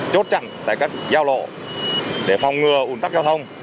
chốt chặn tại các giao lộ để phòng ngừa ủn tắc giao thông